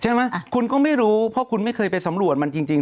ใช่ไหมคุณก็ไม่รู้เพราะคุณไม่เคยไปสำรวจมันจริง